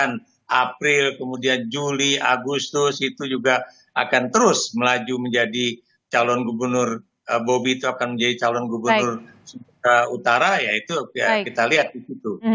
kemudian april kemudian juli agustus itu juga akan terus melaju menjadi calon gubernur bobi itu akan menjadi calon gubernur sumatera utara ya itu ya kita lihat di situ